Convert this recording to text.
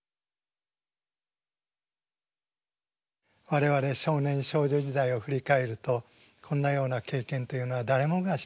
我々少年少女時代を振り返るとこんなような経験というのは誰もがしている。